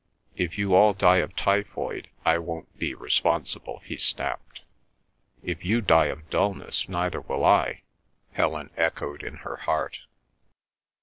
"If you all die of typhoid I won't be responsible!" he snapped. "If you die of dulness, neither will I," Helen echoed in her heart.